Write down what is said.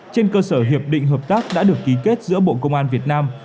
trên cơ sở hiệp định hợp tác đã được ký kết giữa bộ công an việt nam